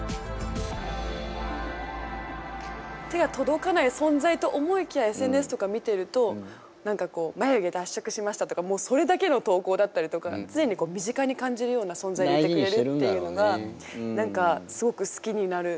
手が届かない存在と思いきやＳＮＳとか見てると何かこう眉毛脱色しましたとかもうそれだけの投稿だったりとか常にこう身近に感じるような存在でいてくれるっていうのが何かすごく好きになる。